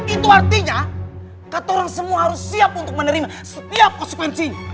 itu artinya katarang semua harus siap untuk menerima setiap konspensi ini